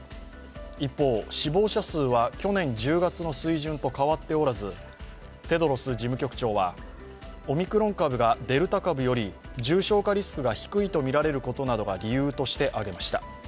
一方、死亡者数は去年１０月の水準と変わっておらずテドロス事務局長は、オミクロン株がデルタ株より重症化リスクが低いとみられることなどが理由として挙げられました。